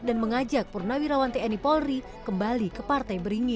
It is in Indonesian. dan mengajak purnawirawan tni polri kembali ke partai beringin